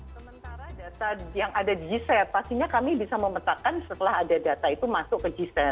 sementara data yang ada di g set pastinya kami bisa memetakan setelah ada data itu masuk ke g tujuh